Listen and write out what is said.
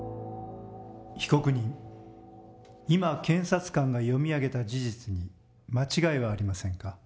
被告人今検察官が読み上げた事実に間違いはありませんか？